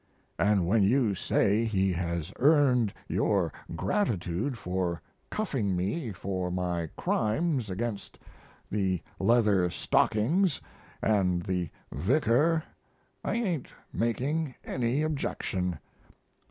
And when you say he has earned your gratitude for cuffing me for my crimes against the Leather stockings & the Vicar I ain't making any objection.